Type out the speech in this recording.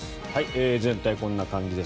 全体こんな感じです。